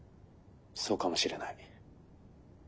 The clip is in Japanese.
そうかもしれない。